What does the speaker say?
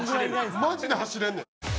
マジで走れんねん。